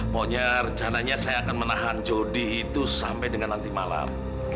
monyet rencananya saya akan menahan jodi itu sampai dengan nanti malam